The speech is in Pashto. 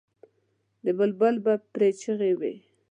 د بلبل به پرې چیغار وي.